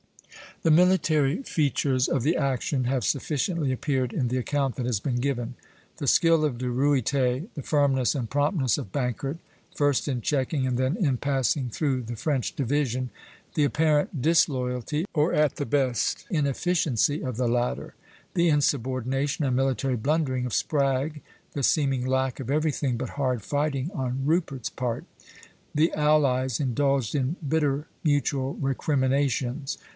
" The military features of the action have sufficiently appeared in the account that has been given, the skill of De Ruyter; the firmness and promptness of Bankert, first in checking and then in passing through the French division; the apparent disloyalty or, at the best, inefficiency of the latter; the insubordination and military blundering of Spragge; the seeming lack of everything but hard fighting on Rupert's part. The allies indulged in bitter mutual recriminations.